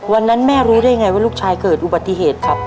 แม่รู้ได้ไงว่าลูกชายเกิดอุบัติเหตุครับ